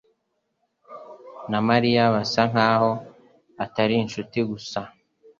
na Mariya basa nkaho atari inshuti gusa